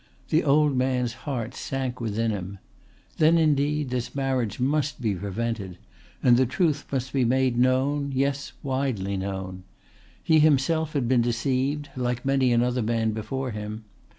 The old man's heart sank within him. Then indeed this marriage must be prevented and the truth must be made known yes, widely known. He himself had been deceived like many another man before him.